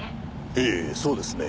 ええそうですね。